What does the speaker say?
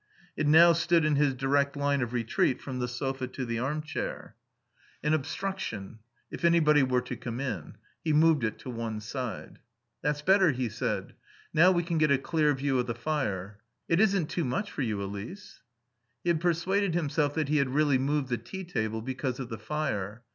It now stood in his direct line of retreat from the sofa to the armchair. An obstruction. If anybody were to come in. He moved it to one side. "That's better," He said. "Now we can get a clear view of the fire. It isn't too much for you, Elise?" He had persuaded himself that he had really moved the tea table because of the fire.